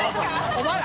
「お前ら」。